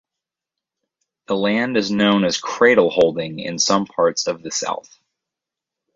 The land is known as cradle-holding in some parts of the south.